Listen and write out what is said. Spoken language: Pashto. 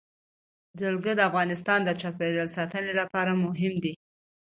جلګه د افغانستان د چاپیریال ساتنې لپاره مهم دي.